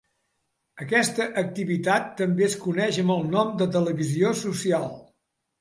Aquesta activitat també es coneix amb el nom de televisió social.